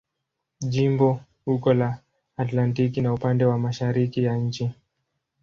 Jimbo uko la Atlantiki na upande wa mashariki ya nchi.